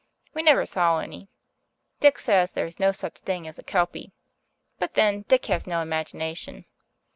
We never saw any. Dick says there is no such thing as a kelpy. But then Dick has no imagination.